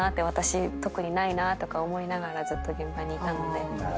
私特にないなとか思いながらずっと現場にいたので。